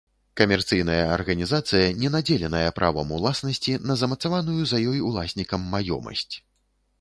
Камерцыйная арганізацыя, не надзеленая правам уласнасці на замацаваную за ёй уласнікам маёмасць.